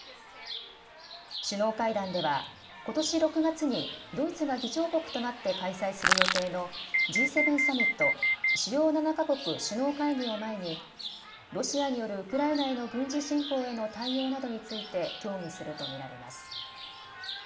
首脳会談では、ことし６月にドイツが議長国となって開催する予定のＧ７サミット・主要７か国首脳会議を前に、ロシアによるウクライナへの軍事侵攻への対応などについて協議すると見られます。